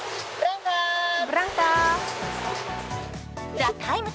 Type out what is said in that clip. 「ＴＨＥＴＩＭＥ，」